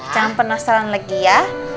jangan penasaran lagi ya